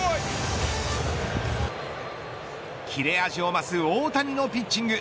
切れ味を増す大谷のピッチング。